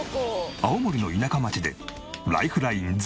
青森の田舎町でライフライン０円生活。